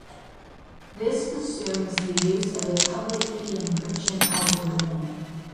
This assumes the use of a public-key encryption algorithm.